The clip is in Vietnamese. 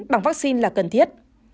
bằng vaccine là cần thiết